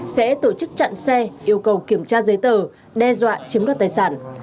sẽ tổ chức chặn xe yêu cầu kiểm tra giấy tờ đe dọa chiếm đoạt tài sản